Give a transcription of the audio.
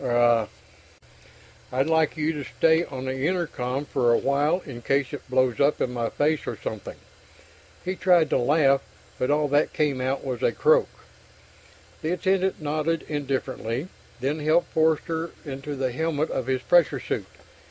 Er I'd like you to stay on the intercom for a while in case it blows up in my face or something." He tried to laugh, but all that came out was a croak. The attendant nodded indifferently, then helped Forster into the helmet of his pressure suit.